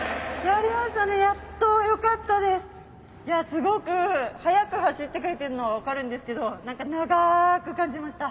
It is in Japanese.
すごく速く走ってくれてるのは分かるんですけど長く感じました。